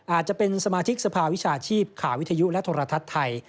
อาจจะเป็นสมาชิกสภาวิชาชีพข่าววิทยุและโทรทัศน์ไทย